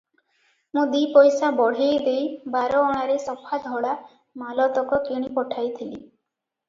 ମୁଁ ଦି ପଇସା ବଢେଇ ଦେଇ ବାର ଅଣାରେ ସଫା ଧଳା ମାଲତକ କିଣି ପଠାଇଥିଲି ।